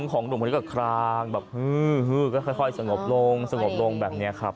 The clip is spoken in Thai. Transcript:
ของหนุ่มคนนี้ก็คลางแบบฮือก็ค่อยสงบลงสงบลงแบบนี้ครับ